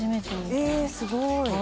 えぇすごい。